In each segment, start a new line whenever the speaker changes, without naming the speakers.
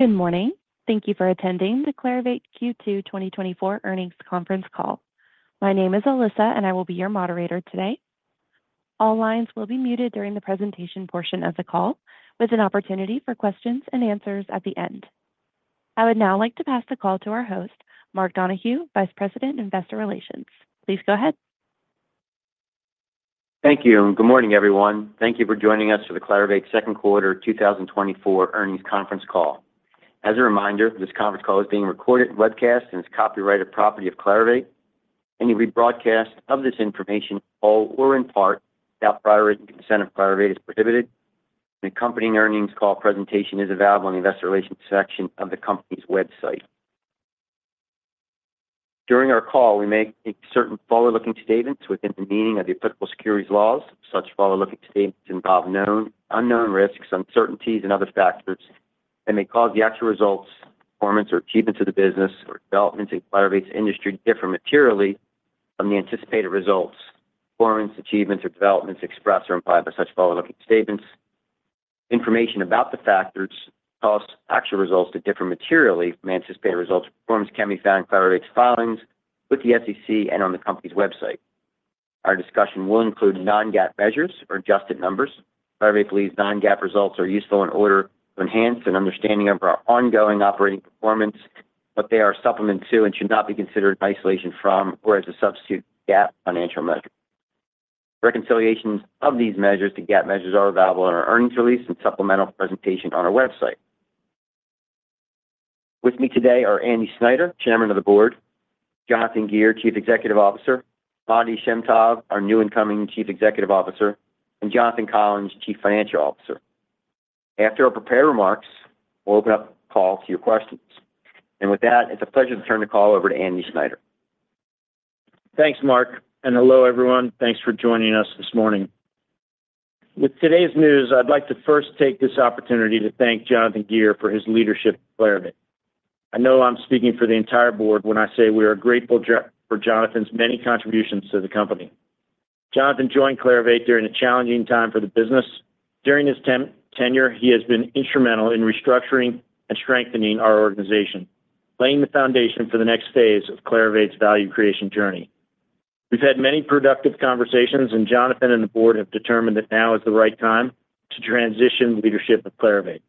Good morning. Thank you for attending the Clarivate Q2 2024 Earnings Conference Call. My name is Alyssa, and I will be your moderator today. All lines will be muted during the presentation portion of the call, with an opportunity for questions and answers at the end. I would now like to pass the call to our host, Mark Donohue, Vice President, Investor Relations. Please go ahead.
Thank you, and good morning, everyone. Thank you for joining us for the Clarivate Second Quarter 2024 Earnings Conference Call. As a reminder, this conference call is being recorded and webcast and is copyrighted property of Clarivate. Any rebroadcast of this information, all or in part, without prior written consent of Clarivate is prohibited. The accompanying earnings call presentation is available on the Investor Relations section of the company's website. During our call, we make certain forward-looking statements within the meaning of the applicable securities laws. Such forward-looking statements involve known, unknown risks, uncertainties, and other factors that may cause the actual results, performance, or achievements of the business or developments in Clarivate's industry to differ materially from the anticipated results, performance, achievements, or developments expressed or implied by such forward-looking statements. Information about the factors that cause actual results to differ materially from anticipated results or performance can be found in Clarivate's filings with the SEC and on the company's website. Our discussion will include non-GAAP measures or adjusted numbers. Clarivate believes non-GAAP results are useful in order to enhance an understanding of our ongoing operating performance, but they are supplemental to and should not be considered in isolation from or as a substitute for GAAP financial measures. Reconciliations of these measures to GAAP measures are available on our earnings release and supplemental presentation on our website. With me today are Andrew Snyder, Chairman of the Board, Jonathan Gear, Chief Executive Officer, Matti Shem Tov, our new incoming Chief Executive Officer, and Jonathan Collins, Chief Financial Officer. After our prepared remarks, we'll open up the call to your questions. And with that, it's a pleasure to turn the call over to Andy Snyder.
Thanks, Mark, and hello, everyone. Thanks for joining us this morning. With today's news, I'd like to first take this opportunity to thank Jonathan Gear for his leadership at Clarivate. I know I'm speaking for the entire board when I say we are grateful for Jonathan's many contributions to the company. Jonathan joined Clarivate during a challenging time for the business. During his tenure, he has been instrumental in restructuring and strengthening our organization, laying the foundation for the next phase of Clarivate's value creation journey. We've had many productive conversations, and Jonathan and the board have determined that now is the right time to transition the leadership of Clarivate.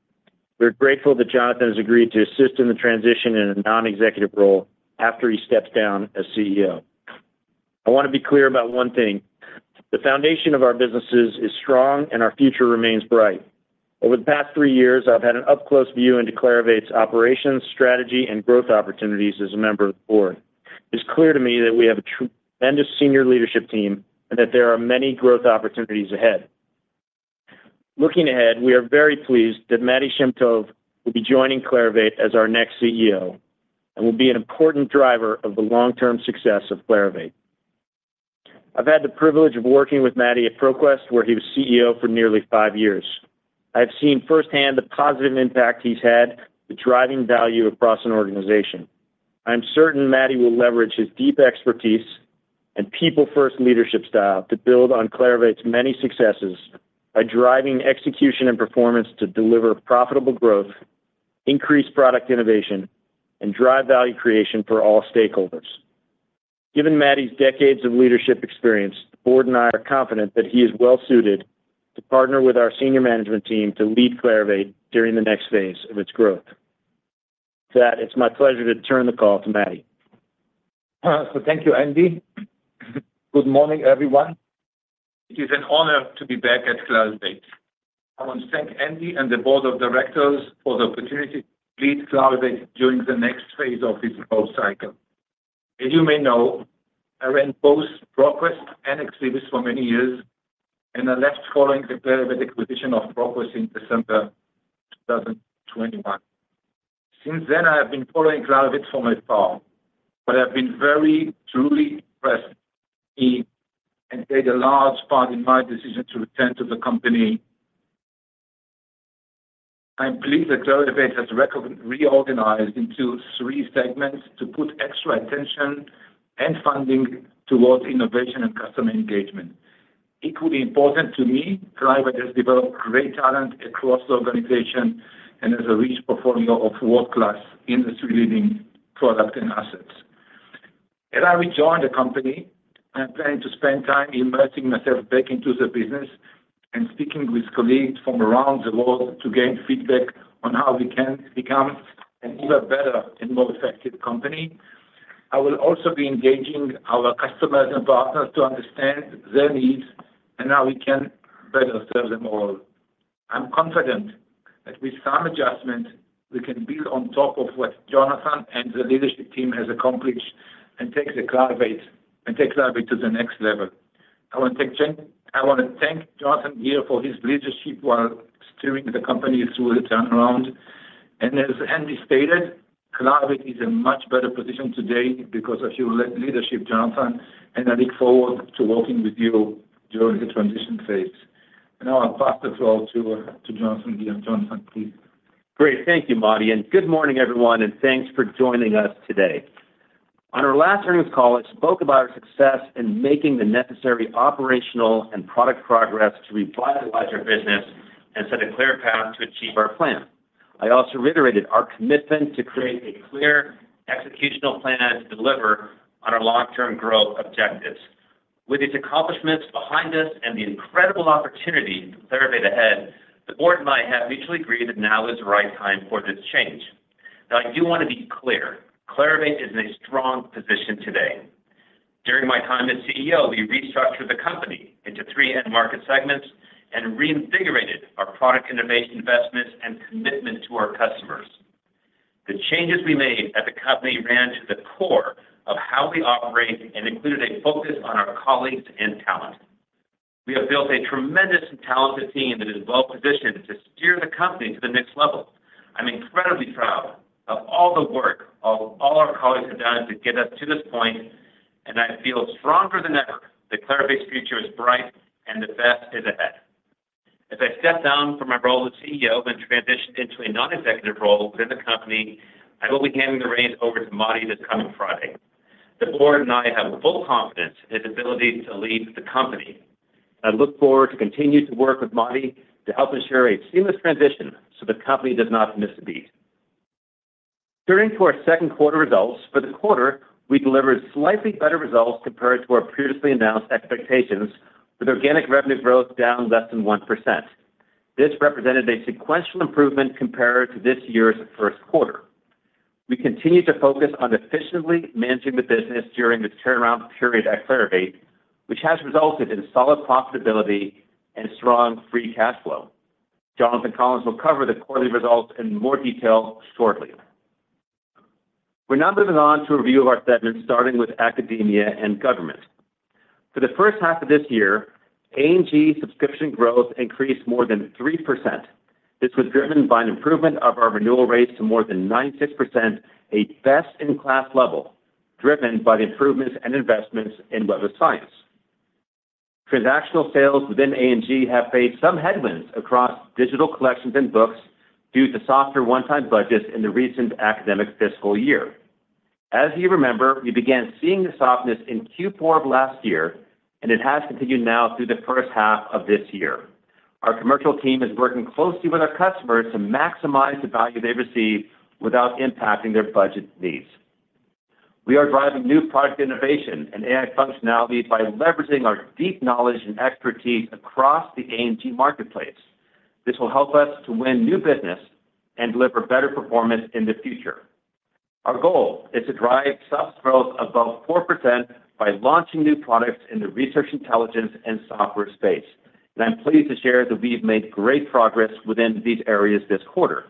We're grateful that Jonathan has agreed to assist in the transition in a non-executive role after he steps down as CEO. I want to be clear about one thing: the foundation of our businesses is strong, and our future remains bright. Over the past three years, I've had an up-close view into Clarivate's operations, strategy, and growth opportunities as a member of the board. It's clear to me that we have a tremendous senior leadership team and that there are many growth opportunities ahead. Looking ahead, we are very pleased that Matti Shem Tov will be joining Clarivate as our next CEO and will be an important driver of the long-term success of Clarivate. I've had the privilege of working with Matti at ProQuest, where he was CEO for nearly five years. I have seen firsthand the positive impact he's had, the driving value across an organization. I'm certain Matti will leverage his deep expertise and people-first leadership style to build on Clarivate's many successes by driving execution and performance to deliver profitable growth, increase product innovation, and drive value creation for all stakeholders. Given Matti's decades of leadership experience, the board and I are confident that he is well-suited to partner with our senior management team to lead Clarivate during the next phase of its growth. To that, it's my pleasure to turn the call to Matti.
So thank you, Andy. Good morning, everyone. It is an honor to be back at Clarivate. I want to thank Andy and the board of directors for the opportunity to lead Clarivate during the next phase of this growth cycle. As you may know, I ran both ProQuest and Ex Libris for many years, and I left following the Clarivate acquisition of ProQuest in December 2021. Since then, I have been following Clarivate from afar, but I've been very truly impressed, and played a large part in my decision to return to the company. I am pleased that Clarivate has reorganized into three segments to put extra attention and funding towards innovation and customer engagement. Equally important to me, Clarivate has developed great talent across the organization and has a rich portfolio of world-class, industry-leading products and assets. As I rejoin the company, I am planning to spend time immersing myself back into the business and speaking with colleagues from around the world to gain feedback on how we can become an even better and more effective company. I will also be engaging our customers and partners to understand their needs and how we can better serve them all. I'm confident that with some adjustment, we can build on top of what Jonathan and the leadership team has accomplished and take Clarivate—and take Clarivate to the next level. I want to thank Jonathan Gear for his leadership while steering the company through the turnaround. As Andy stated, Clarivate is in much better position today because of your leadership, Jonathan, and I look forward to working with you during the transition phase. Now I'll pass the call to Jonathan Gear. Jonathan, please.
Great. Thank you, Matti, and good morning, everyone, and thanks for joining us today. On our last earnings call, I spoke about our success in making the necessary operational and product progress to revitalize our business and set a clear path to achieve our plan. I also reiterated our commitment to create a clear executional plan to deliver on our long-term growth objectives. With these accomplishments behind us and the incredible opportunity for Clarivate ahead, the board and I have mutually agreed that now is the right time for this change. Now, I do want to be clear, Clarivate is in a strong position today. During my time as CEO, we restructured the company into three end market segments and reinvigorated our product innovation investments and commitment to our customers. The changes we made at the company ran to the core of how we operate and included a focus on our colleagues and talent. We have built a tremendous and talented team that is well-positioned to steer the company to the next level. I'm incredibly proud of all the work all our colleagues have done to get us to this point, and I feel stronger than ever that Clarivate's future is bright and the best is ahead. As I step down from my role as CEO and transition into a non-executive role within the company, I will be handing the reins over to Matti this coming Friday. The board and I have full confidence in his ability to lead the company. I look forward to continue to work with Matti to help ensure a seamless transition so the company does not miss a beat. Turning to our second quarter results. For the quarter, we delivered slightly better results compared to our previously announced expectations, with organic revenue growth down less than 1%. This represented a sequential improvement compared to this year's first quarter. We continue to focus on efficiently managing the business during this turnaround period at Clarivate, which has resulted in solid profitability and strong free cash flow. Jonathan Collins will cover the quarterly results in more detail shortly. We're now moving on to a review of our segments, starting with Academia and Government. For the first half of this year, A&G subscription growth increased more than 3%. This was driven by an improvement of our renewal rates to more than 96%, a best-in-class level, driven by the improvements and investments in Web of Science. Transactional sales within A&G have faced some headwinds across digital collections and books due to softer one-time budgets in the recent academic fiscal year. As you remember, we began seeing this softness in Q4 of last year, and it has continued now through the first half of this year. Our commercial team is working closely with our customers to maximize the value they receive without impacting their budget needs. We are driving new product innovation and AI functionality by leveraging our deep knowledge and expertise across the A&G marketplace. This will help us to win new business and deliver better performance in the future. Our goal is to drive sales growth above 4% by launching new products in the research, intelligence, and software space. And I'm pleased to share that we've made great progress within these areas this quarter.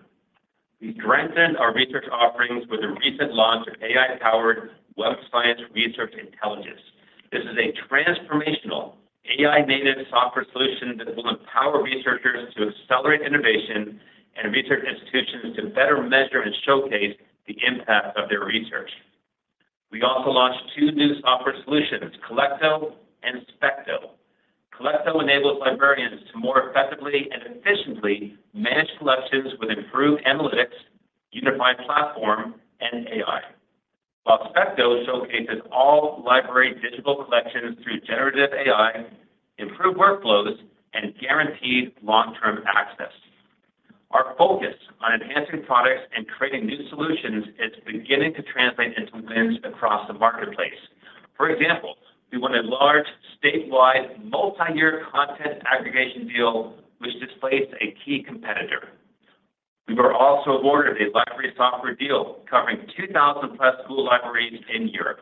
We strengthened our research offerings with the recent launch of AI-powered Web of Science Research Intelligence. This is a transformational AI-native software solution that will empower researchers to accelerate innovation and research institutions to better measure and showcase the impact of their research. We also launched two new software solutions, Collecto and Specto. Collecto enables librarians to more effectively and efficiently manage collections with improved analytics, unified platform, and AI. While Specto showcases all library digital collections through generative AI, improved workflows, and guaranteed long-term access. Our focus on enhancing products and creating new solutions is beginning to translate into wins across the marketplace. For example, we won a large, statewide, multi-year content aggregation deal, which displaced a key competitor. We were also awarded a library software deal covering 2,000+ school libraries in Europe.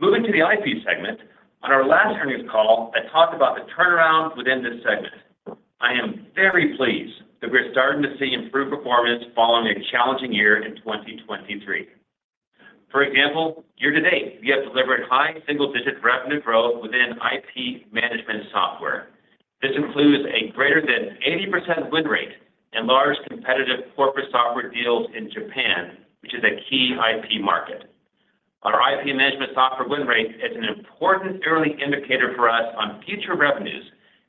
Moving to the IP segment, on our last earnings call, I talked about the turnaround within this segment. I am very pleased that we're starting to see improved performance following a challenging year in 2023. For example, year-to-date, we have delivered high single-digit revenue growth within IP management software. This includes a greater than 80% win rate and large competitive corporate software deals in Japan, which is a key IP market. Our IP management software win rate is an important early indicator for us on future revenues,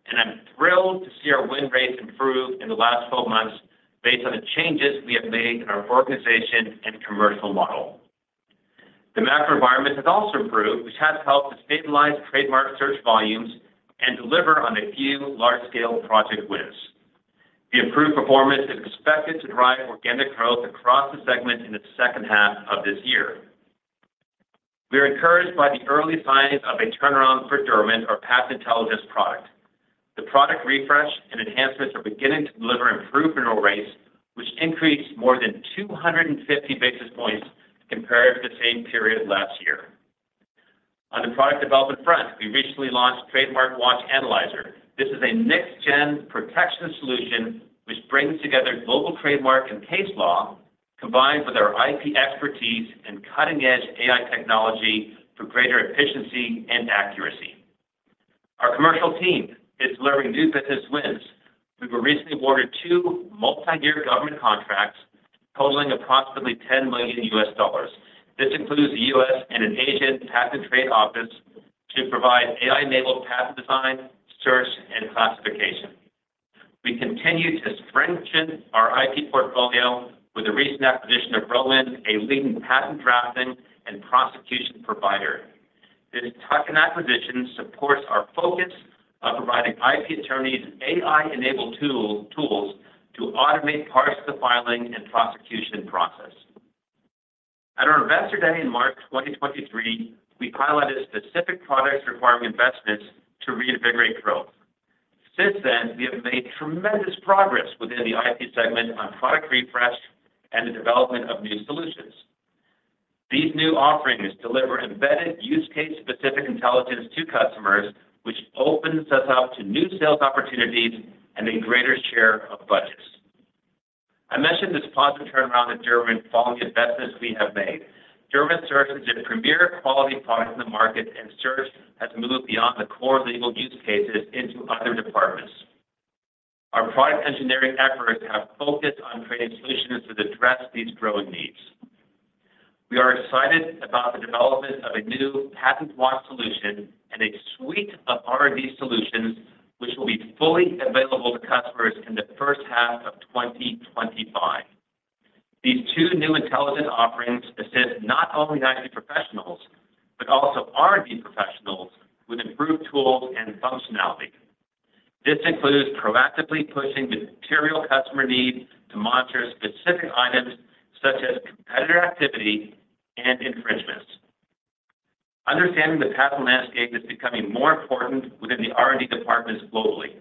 and I'm thrilled to see our win rate improve in the last 12 months based on the changes we have made in our organization and commercial model. The macro environment has also improved, which has helped to stabilize trademark search volumes and deliver on a few large-scale project wins. The improved performance is expected to drive organic growth across the segment in the second half of this year. We are encouraged by the early signs of a turnaround for Derwent, our patent intelligence product. The product refresh and enhancements are beginning to deliver improved renewal rates, which increased more than 250 basis points compared to the same period last year. On the product development front, we recently launched Trademark Watch Analyzer. This is a next-gen protection solution which brings together global trademark and case law, combined with our IP expertise and cutting-edge AI technology for greater efficiency and accuracy. Our commercial team is delivering new business wins. We were recently awarded two multi-year government contracts totaling approximately $10 million. This includes the US and an Asian patent and trademark office to provide AI-enabled patent design, search, and classification.... We continue to strengthen our IP portfolio with the recent acquisition of Rowan, a leading patent drafting and prosecution provider. This tuck-in acquisition supports our focus on providing IP attorneys AI-enabled tool, tools to automate parts of the filing and prosecution process. At our Investor Day in March 2023, we highlighted specific products requiring investments to reinvigorate growth. Since then, we have made tremendous progress within the IP segment on product refresh and the development of new solutions. These new offerings deliver embedded use case-specific intelligence to customers, which opens us up to new sales opportunities and a greater share of budgets. I mentioned this positive turnaround at Derwent following the investments we have made. Derwent serves as a premier quality product in the market and has moved beyond the core legal use cases into other departments. Our product engineering efforts have focused on creating solutions that address these growing needs. We are excited about the development of a new patent watch solution and a suite of R&D solutions, which will be fully available to customers in the first half of 2025. These two new intelligent offerings assist not only IP professionals, but also R&D professionals with improved tools and functionality. This includes proactively pushing the material customer needs to monitor specific items such as competitor activity and infringements. Understanding the patent landscape is becoming more important within the R&D departments globally.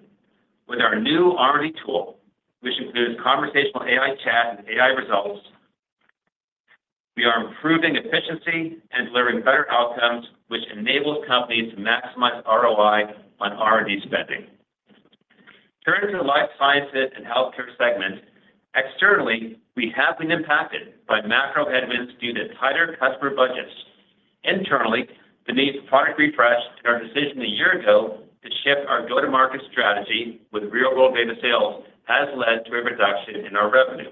With our new R&D tool, which includes conversational AI chat and AI results, we are improving efficiency and delivering better outcomes, which enables companies to maximize ROI on R&D spending. Turning to the life sciences and healthcare segment, externally, we have been impacted by macro headwinds due to tighter customer budgets. Internally, the need for product refresh and our decision a year ago to shift our go-to-market strategy with real-world data sales has led to a reduction in our revenue.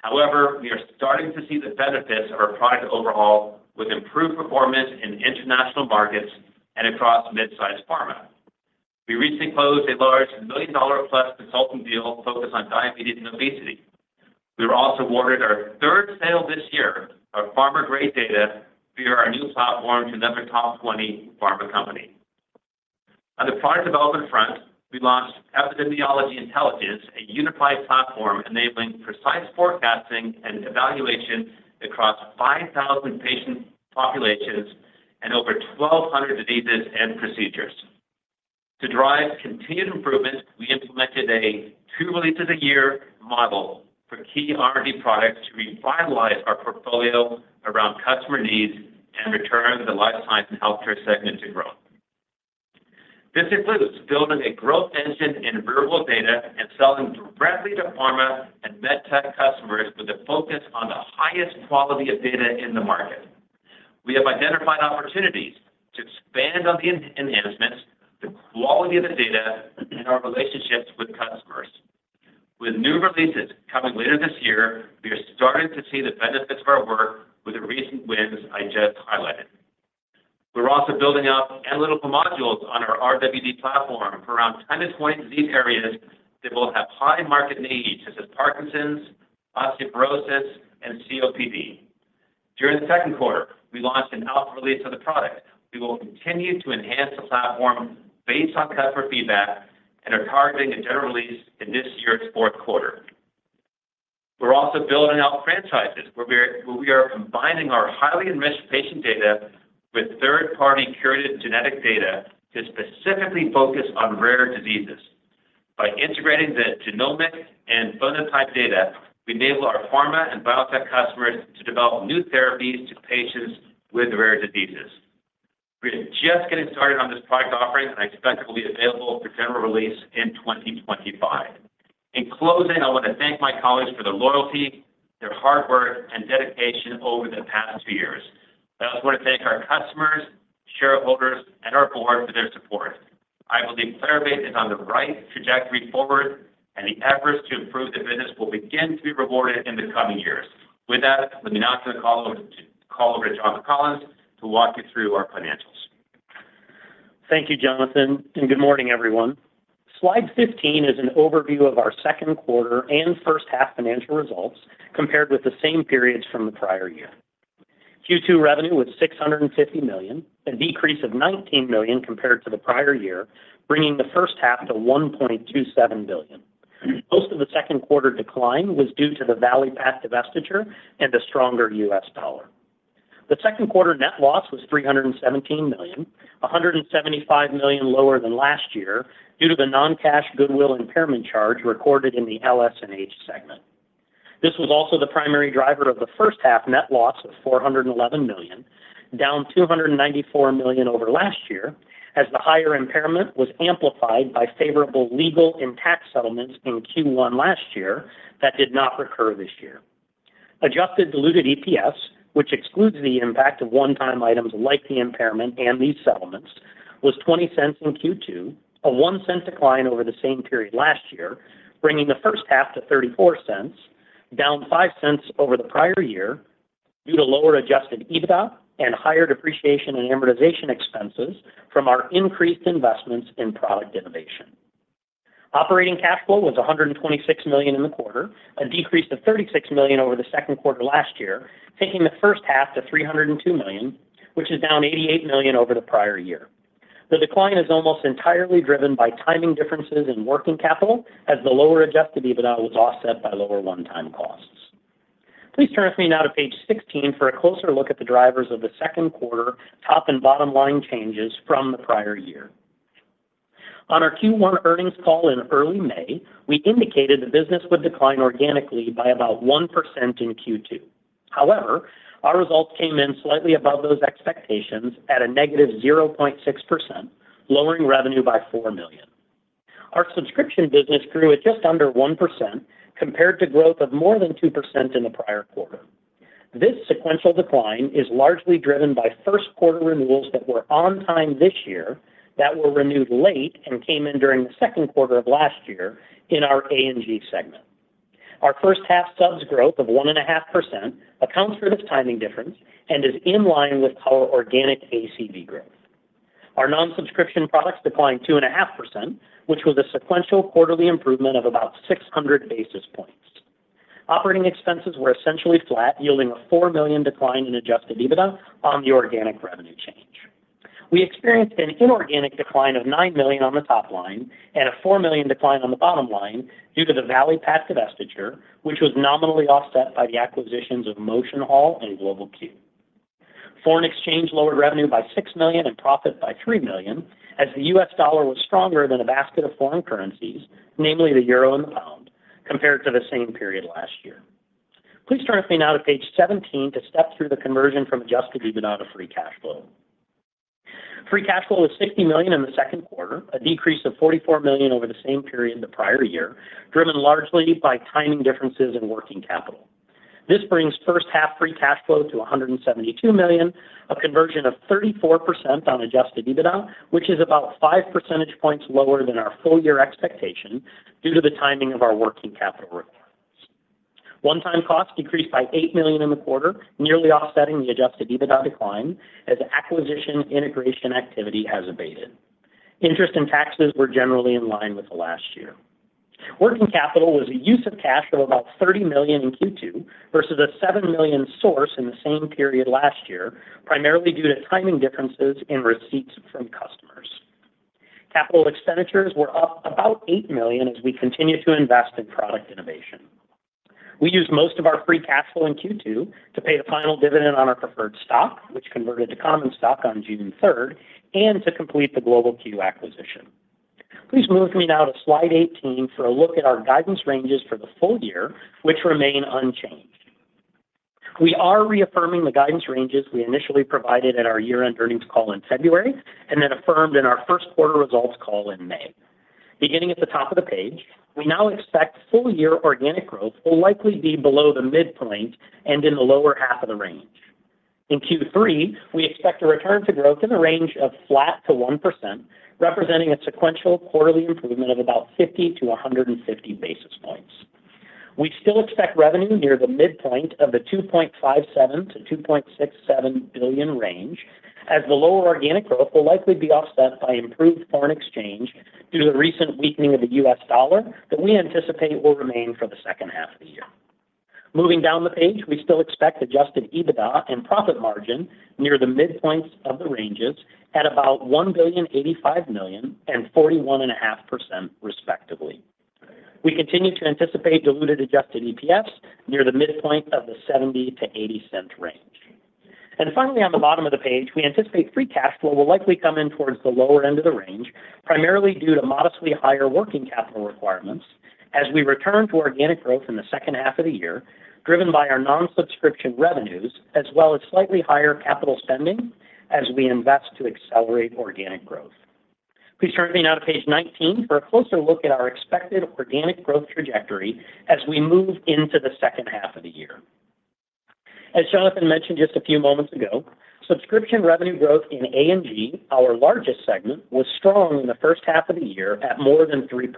However, we are starting to see the benefits of our product overhaul, with improved performance in international markets and across mid-sized pharma. We recently closed a large $1 million-plus consulting deal focused on diabetes and obesity. We were also awarded our third sale this year of pharma-grade data via our new platform to another top 20 pharma company. On the product development front, we launched Epidemiology Intelligence, a unified platform enabling precise forecasting and evaluation across 5,000 patient populations and over 1,200 diseases and procedures. To drive continued improvement, we implemented a two releases a year model for key R&D products to revitalize our portfolio around customer needs and return the Life Sciences and Healthcare segment to growth. This includes building a growth engine in real-world data and selling directly to pharma and med tech customers with a focus on the highest quality of data in the market. We have identified opportunities to expand on the enhancements, the quality of the data, and our relationships with customers. With new releases coming later this year, we are starting to see the benefits of our work with the recent wins I just highlighted. We're also building out analytical modules on our RWD platform around 10-20 disease areas that will have high market needs, such as Parkinson's, osteoporosis, and COPD. During the second quarter, we launched an alpha release of the product. We will continue to enhance the platform based on customer feedback and are targeting a general release in this year's fourth quarter. We're also building out franchises, where we are combining our highly enriched patient data with third-party curated genetic data to specifically focus on rare diseases. By integrating the genomic and phenotype data, we enable our pharma and biotech customers to develop new therapies to patients with rare diseases. We are just getting started on this product offering, and I expect it will be available for general release in 2025. In closing, I want to thank my colleagues for their loyalty, their hard work, and dedication over the past two years. I also want to thank our customers, shareholders, and our board for their support. I believe Clarivate is on the right trajectory forward, and the efforts to improve the business will begin to be rewarded in the coming years. With that, let me now turn the call over to Jonathan Collins to walk you through our financials.
Thank you, Jonathan, and good morning, everyone. Slide 15 is an overview of our second quarter and first half financial results compared with the same periods from the prior year. Q2 revenue was $650 million, a decrease of $19 million compared to the prior year, bringing the first half to $1.27 billion. Most of the second quarter decline was due to the ValuPath divestiture and the stronger U.S. dollar. The second quarter net loss was $317 million, $175 million lower than last year, due to the non-cash goodwill impairment charge recorded in the LS&H segment. This was also the primary driver of the first half net loss of $411 million, down $294 million over last year, as the higher impairment was amplified by favorable legal and tax settlements in Q1 last year that did not recur this year. Adjusted Diluted EPS, which excludes the impact of one-time items like the impairment and these settlements, was $0.20 in Q2, a $0.01 decline over the same period last year, bringing the first half to $0.34, down $0.05 over the prior year, due to lower Adjusted EBITDA and higher depreciation and amortization expenses from our increased investments in product innovation. Operating cash flow was $126 million in the quarter, a decrease of $36 million over the second quarter last year, taking the first half to $302 million, which is down $88 million over the prior year. The decline is almost entirely driven by timing differences in working capital, as the lower Adjusted EBITDA was offset by lower one-time costs. Please turn with me now to page 16 for a closer look at the drivers of the second quarter top and bottom line changes from the prior year. On our Q1 earnings call in early May, we indicated the business would decline organically by about 1% in Q2. However, our results came in slightly above those expectations at a negative 0.6%, lowering revenue by $4 million. Our subscription business grew at just under 1% compared to growth of more than 2% in the prior quarter. This sequential decline is largely driven by first quarter renewals that were on time this year, that were renewed late and came in during the second quarter of last year in our A&G segment. Our first half subs growth of 1.5% accounts for this timing difference and is in line with our organic ACV growth. Our non-subscription products declined 2.5%, which was a sequential quarterly improvement of about 600 basis points. Operating expenses were essentially flat, yielding a $4 million decline in adjusted EBITDA on the organic revenue change. We experienced an inorganic decline of $9 million on the top line and a $4 million decline on the bottom line due to the ValuPath divestiture, which was nominally offset by the acquisitions of MotionHall and Global Q. Foreign exchange lowered revenue by $6 million and profit by $3 million, as the U.S. dollar was stronger than a basket of foreign currencies, namely the euro and the pound, compared to the same period last year. Please turn with me now to page 17 to step through the conversion from adjusted EBITDA to free cash flow. Free cash flow was $60 million in the second quarter, a decrease of $44 million over the same period the prior year, driven largely by timing differences in working capital. This brings first half free cash flow to $172 million, a conversion of 34% on adjusted EBITDA, which is about five percentage points lower than our full year expectation due to the timing of our working capital requirements. One-time costs decreased by $8 million in the quarter, nearly offsetting the adjusted EBITDA decline as acquisition integration activity has abated. Interest and taxes were generally in line with the last year. Working capital was a use of cash of about $30 million in Q2 versus a $7 million source in the same period last year, primarily due to timing differences in receipts from customers. Capital expenditures were up about $8 million as we continue to invest in product innovation. We used most of our free cash flow in Q2 to pay the final dividend on our preferred stock, which converted to common stock on June third, and to complete the Global Q acquisition. Please move me now to slide 18 for a look at our guidance ranges for the full year, which remain unchanged. We are reaffirming the guidance ranges we initially provided at our year-end earnings call in February, and then affirmed in our first quarter results call in May. Beginning at the top of the page, we now expect full year organic growth will likely be below the midpoint and in the lower half of the range. In Q3, we expect a return to growth in the range of flat to 1%, representing a sequential quarterly improvement of about 50-150 basis points. We still expect revenue near the midpoint of the $2.57-$2.67 billion range, as the lower organic growth will likely be offset by improved foreign exchange due to the recent weakening of the US dollar that we anticipate will remain for the second half of the year. Moving down the page, we still expect adjusted EBITDA and profit margin near the midpoints of the ranges at about $1.085 billion and 41.5%, respectively. We continue to anticipate diluted adjusted EPS near the midpoint of the $0.70-$0.80 range. Finally, on the bottom of the page, we anticipate free cash flow will likely come in towards the lower end of the range, primarily due to modestly higher working capital requirements as we return to organic growth in the second half of the year, driven by our non-subscription revenues, as well as slightly higher capital spending as we invest to accelerate organic growth. Please turn with me now to page 19 for a closer look at our expected organic growth trajectory as we move into the second half of the year. As Jonathan mentioned just a few moments ago, subscription revenue growth in A&G, our largest segment, was strong in the first half of the year at more than 3%.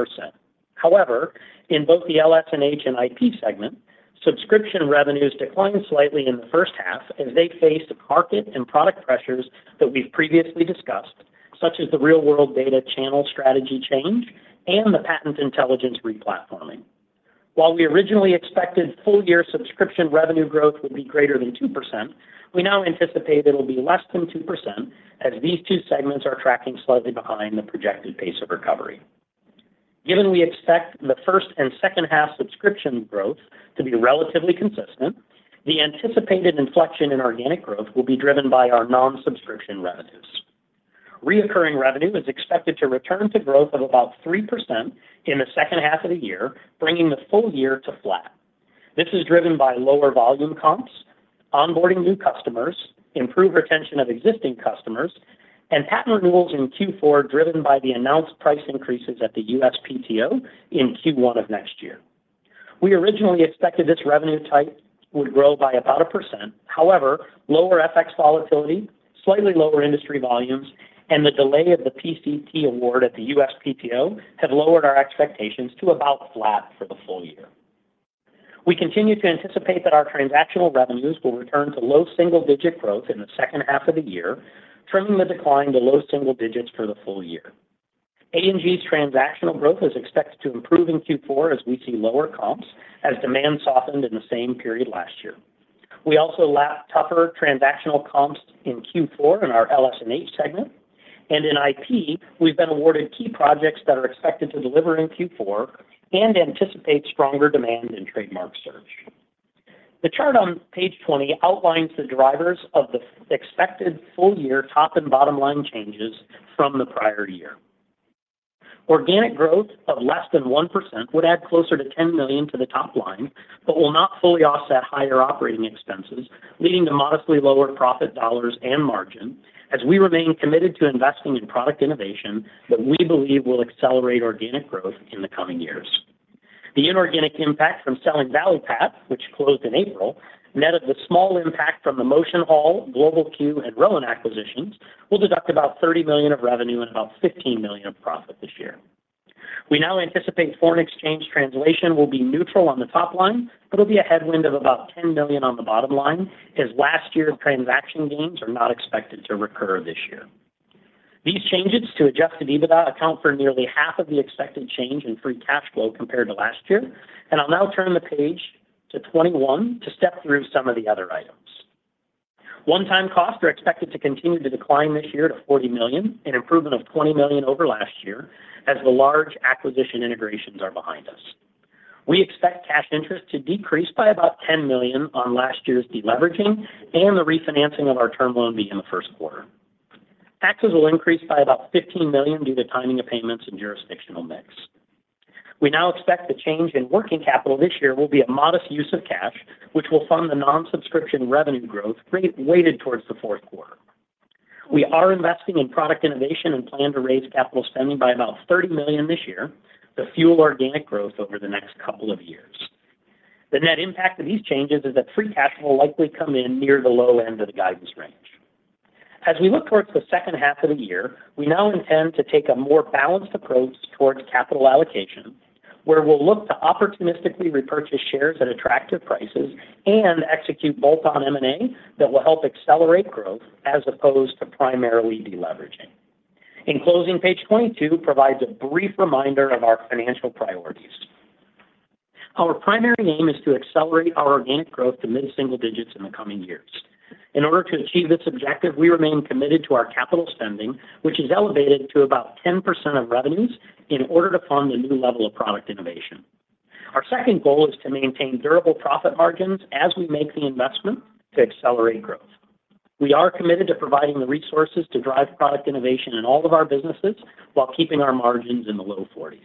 However, in both the LS&H and IP segment, subscription revenues declined slightly in the first half as they faced market and product pressures that we've previously discussed, such as the real-world data channel strategy change and the patent intelligence replatforming. While we originally expected full year subscription revenue growth would be greater than 2%, we now anticipate it'll be less than 2%, as these two segments are tracking slightly behind the projected pace of recovery. Given we expect the first and second half subscription growth to be relatively consistent, the anticipated inflection in organic growth will be driven by our non-subscription revenues. Recurring revenue is expected to return to growth of about 3% in the second half of the year, bringing the full year to flat. This is driven by lower volume comps, onboarding new customers, improved retention of existing customers, and patent renewals in Q4, driven by the announced price increases at the USPTO in Q1 of next year. We originally expected this revenue type would grow by about 1%. However, slightly lower industry volumes and the delay of the PCT award at the USPTO have lowered our expectations to about flat for the full year. We continue to anticipate that our transactional revenues will return to low single-digit growth in the second half of the year, trimming the decline to low single digits for the full year. A&G's transactional growth is expected to improve in Q4 as we see lower comps, as demand softened in the same period last year. We also lap tougher transactional comps in Q4 in our LS&H segment, and in IP, we've been awarded key projects that are expected to deliver in Q4 and anticipate stronger demand in trademark search. The chart on page 20 outlines the drivers of the expected full year top and bottom line changes from the prior year. Organic growth of less than 1% would add closer to $10 million to the top line, but will not fully offset higher operating expenses, leading to modestly lower profit dollars and margin, as we remain committed to investing in product innovation that we believe will accelerate organic growth in the coming years. The inorganic impact from selling ValuPath, which closed in April, net of the small impact from the MotionHall, Global Q, and Rowan acquisitions, will deduct about $30 million of revenue and about $15 million of profit this year. We now anticipate foreign exchange translation will be neutral on the top line, but will be a headwind of about $10 million on the bottom line, as last year's transaction gains are not expected to recur this year. These changes to adjusted EBITDA account for nearly half of the expected change in free cash flow compared to last year. I'll now turn the page to 21 to step through some of the other items. One-time costs are expected to continue to decline this year to $40 million, an improvement of $20 million over last year, as the large acquisition integrations are behind us. We expect cash interest to decrease by about $10 million on last year's deleveraging and the refinancing of our Term Loan B in the first quarter. Taxes will increase by about $15 million due to timing of payments and jurisdictional mix. We now expect the change in working capital this year will be a modest use of cash, which will fund the non-subscription revenue growth, weighted towards the fourth quarter. We are investing in product innovation and plan to raise capital spending by about $30 million this year to fuel organic growth over the next couple of years. The net impact of these changes is that free cash will likely come in near the low end of the guidance range. As we look towards the second half of the year, we now intend to take a more balanced approach towards capital allocation, where we'll look to opportunistically repurchase shares at attractive prices and execute bolt-on M&A that will help accelerate growth, as opposed to primarily deleveraging. In closing, page 22 provides a brief reminder of our financial priorities. Our primary aim is to accelerate our organic growth to mid-single digits in the coming years. In order to achieve this objective, we remain committed to our capital spending, which is elevated to about 10% of revenues in order to fund the new level of product innovation. Our second goal is to maintain durable profit margins as we make the investment to accelerate growth. We are committed to providing the resources to drive product innovation in all of our businesses while keeping our margins in the low 40s.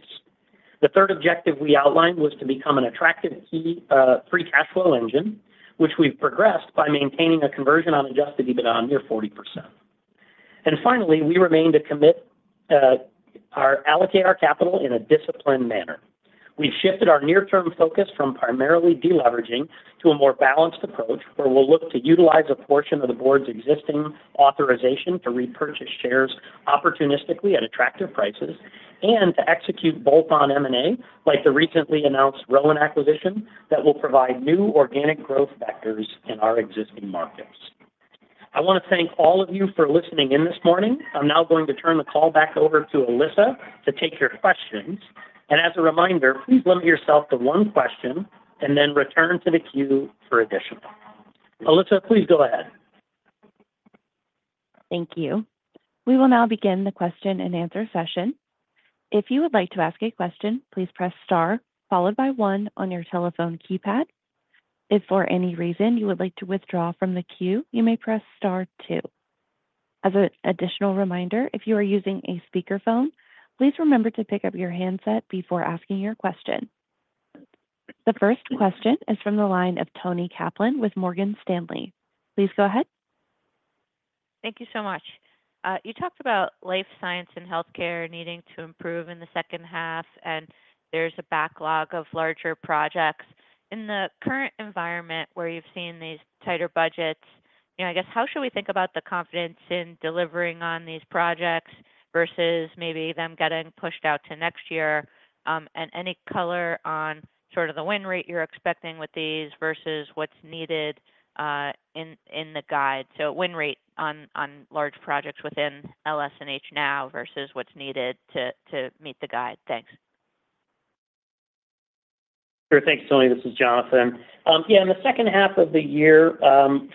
The third objective we outlined was to become an attractive key free cash flow engine, which we've progressed by maintaining a conversion on adjusted EBITDA near 40%. And finally, we remain committed to allocate our capital in a disciplined manner. We've shifted our near-term focus from primarily deleveraging to a more balanced approach, where we'll look to utilize a portion of the board's existing authorization to repurchase shares opportunistically at attractive prices and to execute bolt-on M&A, like the recently announced Rowan acquisition, that will provide new organic growth vectors in our existing markets. I want to thank all of you for listening in this morning. I'm now going to turn the call back over to Alyssa to take your questions. And as a reminder, please limit yourself to one question and then return to the queue for additional. Alyssa, please go ahead.
Thank you. We will now begin the question-and-answer session. If you would like to ask a question, please press star, followed by one on your telephone keypad. If for any reason you would like to withdraw from the queue, you may press star two. As an additional reminder, if you are using a speakerphone, please remember to pick up your handset before asking your question. The first question is from the line of Toni Kaplan with Morgan Stanley. Please go ahead.
Thank you so much. You talked about life science and healthcare needing to improve in the second half, and there's a backlog of larger projects. In the current environment, where you've seen these tighter budgets, you know, I guess, how should we think about the confidence in delivering on these projects versus maybe them getting pushed out to next year? And any color on sort of the win rate you're expecting with these versus what's needed in the guide? So win rate on large projects within LS&H now versus what's needed to meet the guide. Thanks.
Sure. Thanks, Toni. This is Jonathan. Yeah, in the second half of the year,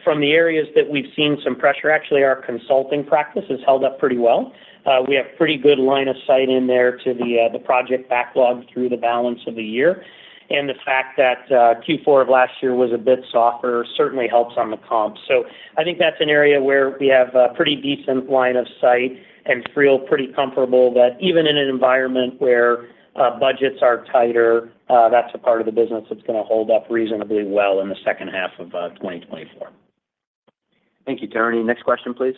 from the areas that we've seen some pressure, actually, our consulting practice has held up pretty well. We have pretty good line of sight in there to the the project backlog through the balance of the year. And the fact that Q4 of last year was a bit softer certainly helps on the comp. So I think that's an area where we have a pretty decent line of sight and feel pretty comfortable that even in an environment where budgets are tighter, that's a part of the business that's gonna hold up reasonably well in the second half of 2024.
Thank you, Toni. Next question, please.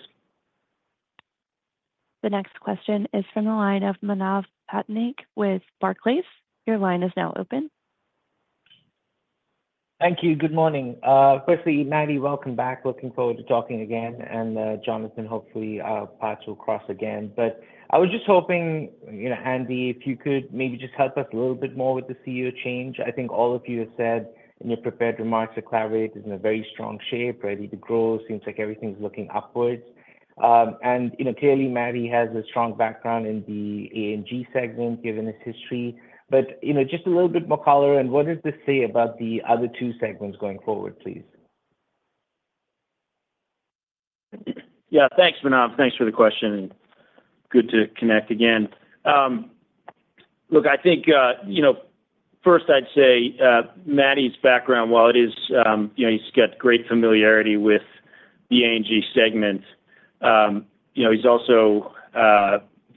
The next question is from the line of Manav Patnaik with Barclays. Your line is now open.
Thank you. Good morning. Firstly, Matti, welcome back. Looking forward to talking again, and, Jonathan, hopefully, our paths will cross again. But I was just hoping, you know, Andy, if you could maybe just help us a little bit more with the CEO change. I think all of you have said in your prepared remarks that Clarivate is in a very strong shape, ready to grow, seems like everything's looking upwards. And you know, clearly, Matti has a strong background in the A&G segment, given his history, but, you know, just a little bit more color, and what does this say about the other two segments going forward, please?
Yeah. Thanks, Manav. Thanks for the question, and good to connect again. Look, I think, you know, first I'd say, Matti's background, while it is... You know, he's got great familiarity with the A&G segment, you know, he's also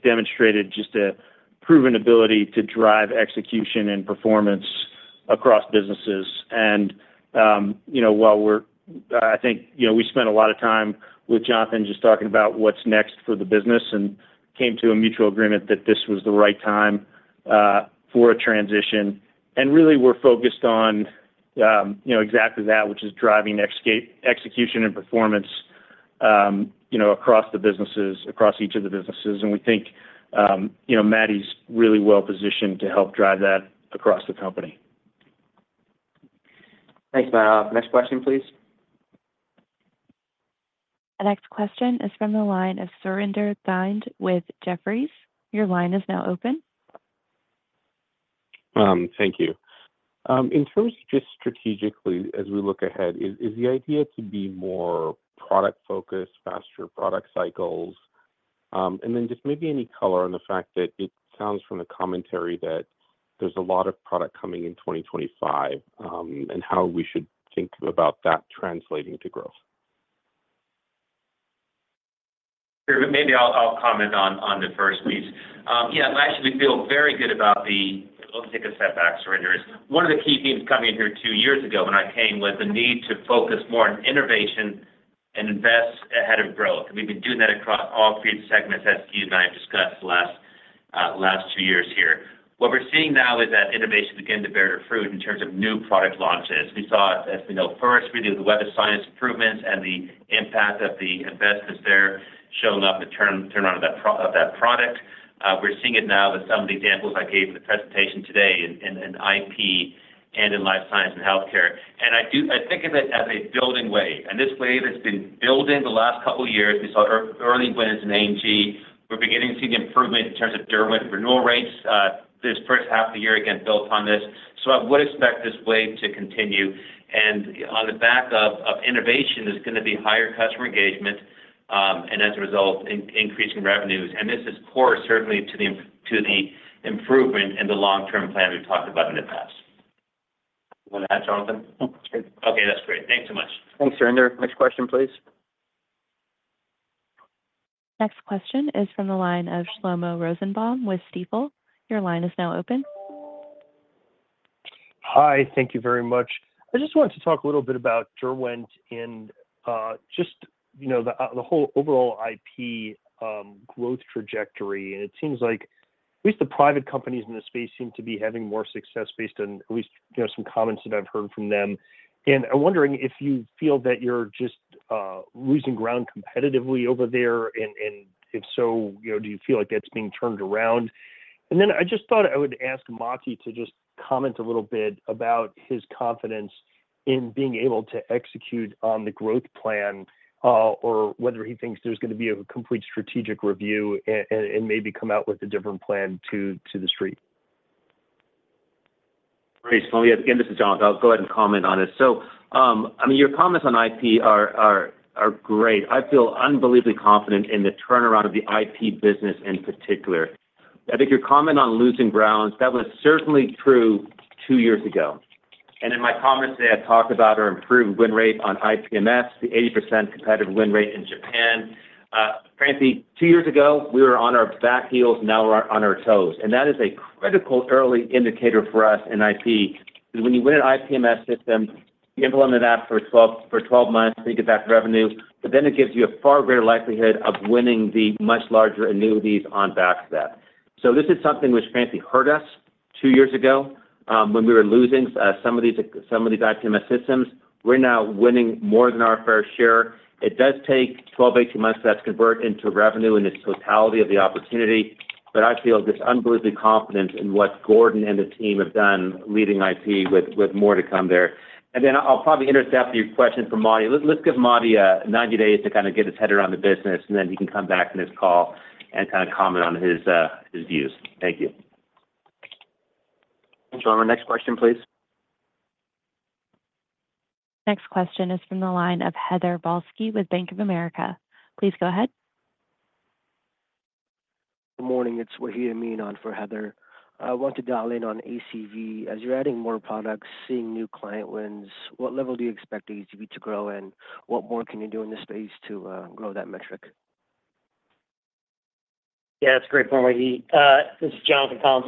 demonstrated just a proven ability to drive execution and performance across businesses. And, you know, while we're, I think, you know, we spent a lot of time with Jonathan just talking about what's next for the business and came to a mutual agreement that this was the right time, for a transition. And really, we're focused on, you know, exactly that, which is driving execution and performance, you know, across the businesses, across each of the businesses. And we think, you know, Matti's really well-positioned to help drive that across the company.
Thanks, Manav. Next question, please.
The next question is from the line of Surinder Thind with Jefferies. Your line is now open.
Thank you. In terms of just strategically as we look ahead, is the idea to be more product-focused, faster product cycles? And then just maybe any color on the fact that it sounds from the commentary that there's a lot of product coming in 2025, and how we should think about that translating to growth.
Sure, maybe I'll, I'll comment on, on the first piece. Yeah, I actually feel very good about the... Let me take a step back, Surinder. One of the key themes coming in here two years ago when I came, was the need to focus more on innovation and invest ahead of growth. We've been doing that across all three segments, as Steve and I have discussed the last, last two years here. What we're seeing now is that innovation beginning to bear fruit in terms of new product launches. We saw it, as we know, first with the Web of Science improvements and the impact of the investments there showing up in turnaround of that product. We're seeing it now with some of the examples I gave in the presentation today in IP and in life sciences and healthcare. And I do think of it as a building wave, and this wave has been building the last couple of years. We saw early wins in A&G. We're beginning to see the improvement in terms of Derwent renewal rates, this first half of the year, again, built on this. So I would expect this wave to continue. And on the back of innovation, there's gonna be higher customer engagement, and as a result, increase in revenues. And this is core, certainly, to the improvement in the long-term plan we've talked about in the past. You want to add, Jonathan?
No, it's good.
Okay, that's great. Thanks so much. Thanks, Surinder. Next question, please.
Next question is from the line of Shlomo Rosenbaum with Stifel. Your line is now open.
Hi, thank you very much. I just wanted to talk a little bit about Derwent and just, you know, the whole overall IP growth trajectory. And it seems like at least the private companies in this space seem to be having more success based on at least, you know, some comments that I've heard from them. And I'm wondering if you feel that you're just losing ground competitively over there, and if so, you know, do you feel like that's being turned around? And then I just thought I would ask Matti to just comment a little bit about his confidence in being able to execute on the growth plan, or whether he thinks there's gonna be a complete strategic review and maybe come out with a different plan to the street.
Great. Shlomo, yeah, again, this is Jonathan. I'll go ahead and comment on it. So, I mean, your comments on IP are great. I feel unbelievably confident in the turnaround of the IP business in particular. I think your comment on losing grounds, that was certainly true two years ago. In my comments today, I talked about our improved win rate on IPMS, the 80% competitive win rate in Japan. Frankly, two years ago, we were on our back heels, now we're on our toes, and that is a critical early indicator for us in IP. Because when you win an IPMS system, you implement that for 12 months till you get back revenue, but then it gives you a far greater likelihood of winning the much larger annuities on backstep. So this is something which frankly hurt us two years ago, when we were losing some of these IPMS systems. We're now winning more than our fair share. It does take 12-18 months for that to convert into revenue in its totality of the opportunity, but I feel just unbelievably confident in what Gordon and the team have done leading IP, with more to come there. And then I'll probably intercept your question for Matti. Let's give Matti 90 days to kind of get his head around the business, and then he can come back on this call and kind of comment on his views. Thank you.
Thanks, Shlomo. Next question, please.
Next question is from the line of Heather Balsky with Bank of America. Please go ahead.
Good morning. It's Wade Hamele on for Heather. I want to dial in on ACV. As you're adding more products, seeing new client wins, what level do you expect ACV to grow, and what more can you do in this space to grow that metric?
Yeah, that's a great point, Wade. This is Jonathan Collins.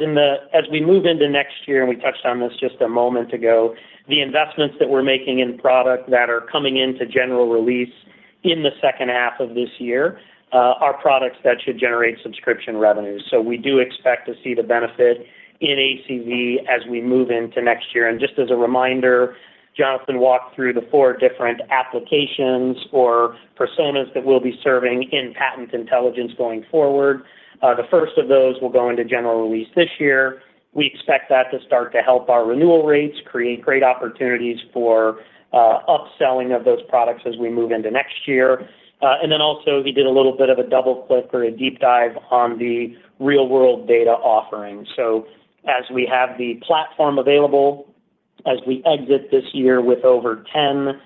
As we move into next year, and we touched on this just a moment ago, the investments that we're making in product that are coming into general release, in the second half of this year, are products that should generate subscription revenue. So we do expect to see the benefit in ACV as we move into next year. Just as a reminder, Jonathan walked through the four different applications or personas that we'll be serving in patent intelligence going forward. The first of those will go into general release this year. We expect that to start to help our renewal rates, create great opportunities for, upselling of those products as we move into next year. And then also, he did a little bit of a double click or a deep dive on the real-world data offering. So as we have the platform available, as we exit this year with over 10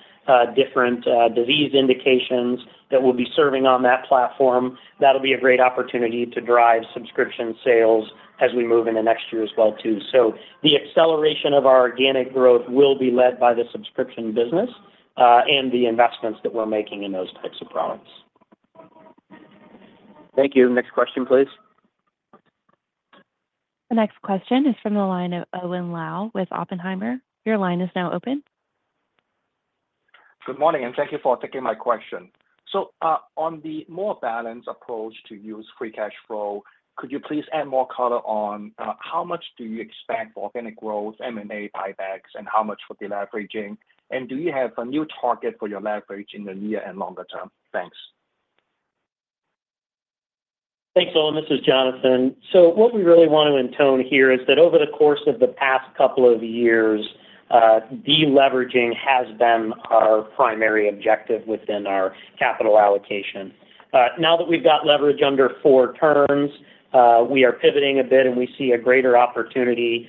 different disease indications that we'll be serving on that platform, that'll be a great opportunity to drive subscription sales as we move into next year as well, too. So the acceleration of our organic growth will be led by the subscription business, and the investments that we're making in those types of products.
Thank you. Next question, please.
The next question is from the line of Owen Lau with Oppenheimer. Your line is now open.
Good morning, and thank you for taking my question. On the more balanced approach to use free cash flow, could you please add more color on how much do you expect for organic growth, M&A, buybacks, and how much for deleveraging? Do you have a new target for your leverage in the near and longer term? Thanks.
Thanks, Owen. This is Jonathan. So what we really want to intone here is that over the course of the past couple of years, deleveraging has been our primary objective within our capital allocation. Now that we've got leverage under four turns, we are pivoting a bit, and we see a greater opportunity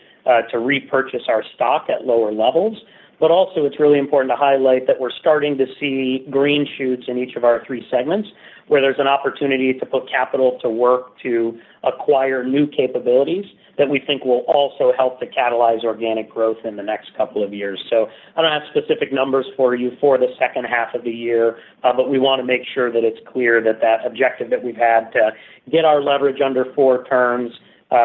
to repurchase our stock at lower levels. But also, it's really important to highlight that we're starting to see green shoots in each of our three segments, where there's an opportunity to put capital to work to acquire new capabilities that we think will also help to catalyze organic growth in the next couple of years. So I don't have specific numbers for you for the second half of the year, but we want to make sure that it's clear that that objective that we've had to get our leverage under four terms,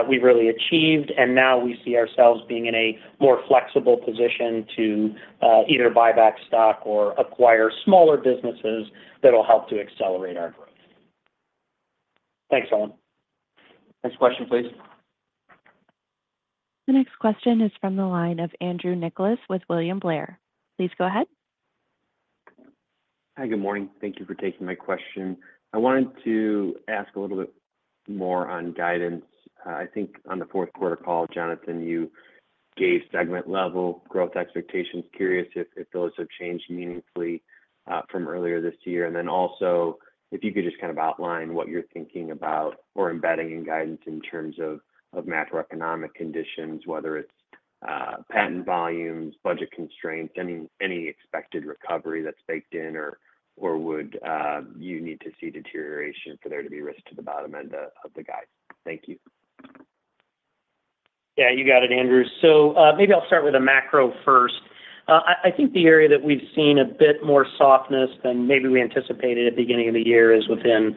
we've really achieved, and now we see ourselves being in a more flexible position to either buy back stock or acquire smaller businesses that will help to accelerate our growth. Thanks, Owen.
Next question, please.
The next question is from the line of Andrew Nicholas with William Blair. Please go ahead.
Hi, good morning. Thank you for taking my question. I wanted to ask a little bit more on guidance. I think on the fourth quarter call, Jonathan, you gave segment-level growth expectations. Curious if, if those have changed meaningfully from earlier this year. And then also, if you could just kind of outline what you're thinking about or embedding in guidance in terms of, of macroeconomic conditions, whether it's patent volumes, budget constraints, any, any expected recovery that's baked in, or, or would you need to see deterioration for there to be risk to the bottom end of, of the guide? Thank you.
Yeah, you got it, Andrew. So, maybe I'll start with the macro first. I think the area that we've seen a bit more softness than maybe we anticipated at the beginning of the year is within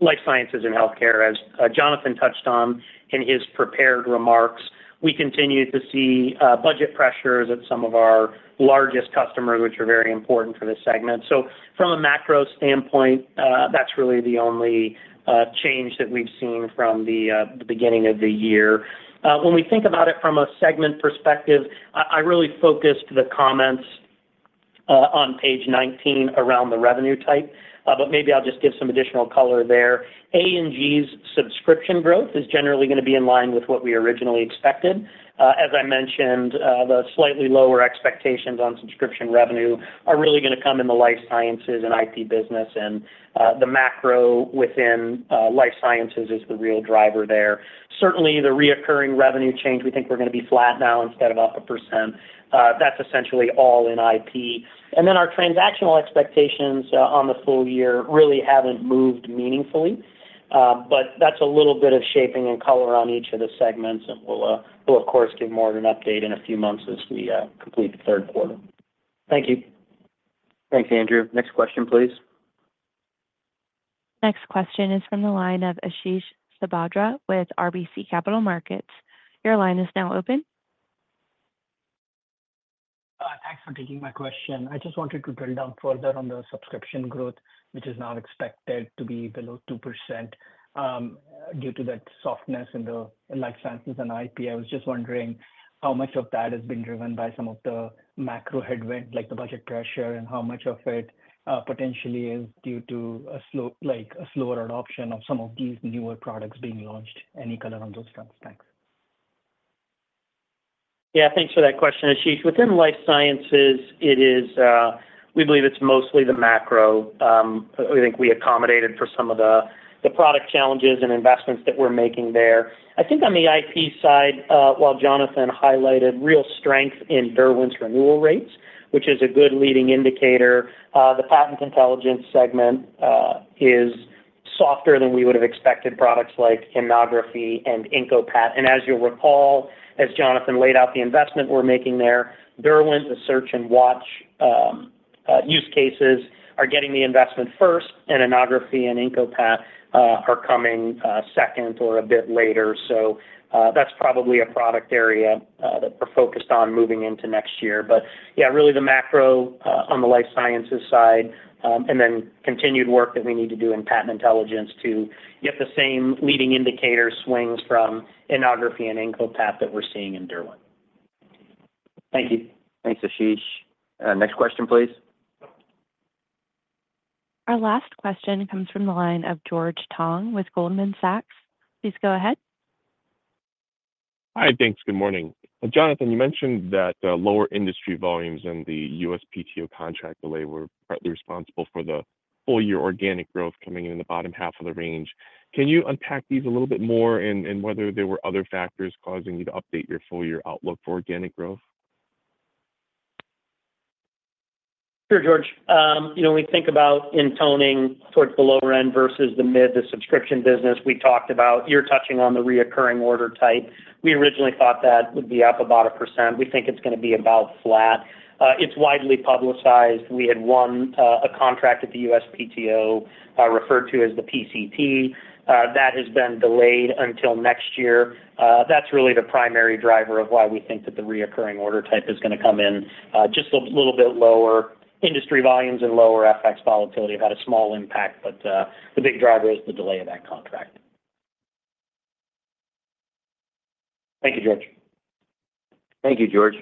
Life Sciences and Healthcare. As Jonathan touched on in his prepared remarks, we continue to see budget pressures at some of our largest customers, which are very important for this segment. So from a macro standpoint, that's really the only change that we've seen from the beginning of the year. When we think about it from a segment perspective, I really focused the comments on page 19 around the revenue type, but maybe I'll just give some additional color there. A&G's subscription growth is generally going to be in line with what we originally expected. As I mentioned, the slightly lower expectations on subscription revenue are really going to come in the life sciences and IP business, and the macro within life sciences is the real driver there. Certainly, the recurring revenue change, we think we're going to be flat now instead of up 1%. That's essentially all in IP. And then our transactional expectations on the full year really haven't moved meaningfully. But that's a little bit of shaping and color on each of the segments, and we'll of course give more of an update in a few months as we complete the third quarter.
Thank you.
Thanks, Andrew. Next question, please.
Next question is from the line of Ashish Sabadra with RBC Capital Markets. Your line is now open.
Thanks for taking my question. I just wanted to drill down further on the subscription growth, which is now expected to be below 2%, due to that softness in the life sciences and IP. I was just wondering how much of that has been driven by some of the macro headwind, like the budget pressure, and how much of it, potentially is due to a slower adoption of some of these newer products being launched? Any color on those fronts? Thanks.
Yeah, thanks for that question, Ashish. Within life sciences, it is, we believe it's mostly the macro. I think we accommodated for some of the, the product challenges and investments that we're making there. I think on the IP side, while Jonathan highlighted real strength in Derwent's renewal rates, which is a good leading indicator, the patent intelligence segment is softer than we would have expected, products like Innography and IncoPat. And as you'll recall, as Jonathan laid out, the investment we're making there, Derwent, the search and watch use cases are getting the investment first, and Innography and IncoPat are coming second or a bit later. So, that's probably a product area that we're focused on moving into next year. Yeah, really, the macro on the life sciences side, and then continued work that we need to do in patent intelligence to get the same leading indicator swings from Innography and IncoPat that we're seeing in Derwent. Thank you.
Thanks, Ashish. Next question, please.
Our last question comes from the line of George Tong with Goldman Sachs. Please go ahead. Hi, thanks. Good morning. Jonathan, you mentioned that lower industry volumes in the USPTO contract delay were partly responsible for the full year organic growth coming in the bottom half of the range. Can you unpack these a little bit more and whether there were other factors causing you to update your full year outlook for organic growth?
Sure, George. You know, when we think about leaning towards the lower end versus the mid, the subscription business, we talked about you’re touching on the recurring order type. We originally thought that would be up about 1%. We think it's gonna be about flat. It's widely publicized. We had won a contract at the USPTO, referred to as the PCT. That has been delayed until next year. That's really the primary driver of why we think that the recurring order type is gonna come in just a little bit lower. Industry volumes and lower FX volatility have had a small impact, but the big driver is the delay of that contract. Thank you, George.
Thank you, George.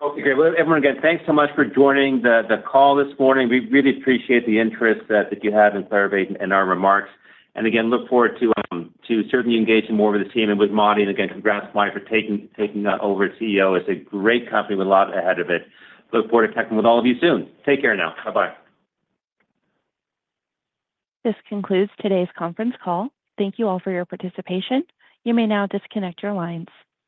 Okay, great. Well, everyone, again, thanks so much for joining the call this morning. We really appreciate the interest that you have in Clarivate and our remarks. And again, look forward to certainly engaging more with the team and with Matti. And again, congrats, Marty, for taking over CEO. It's a great company with a lot ahead of it. Look forward to talking with all of you soon. Take care now. Bye-bye.
This concludes today's conference call. Thank you all for your participation. You may now disconnect your lines.